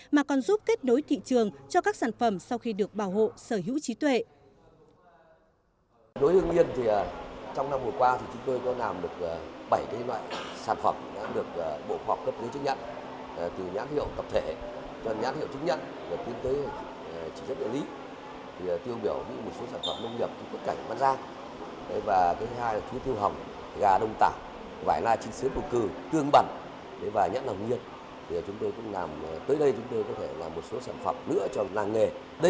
mà còn giúp kết nối thị trường cho các sản phẩm sau khi được bảo hộ sở hữu trí tuệ